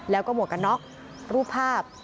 แล้วก็หมวกกันน็อกรูปภาพ